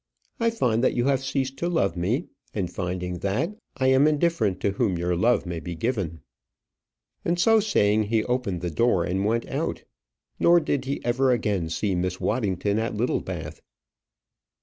I find that you have ceased to love me, and finding that, I am indifferent to whom your love may be given." And so saying, he opened the door and went out; nor did he ever again see Miss Waddington at Littlebath.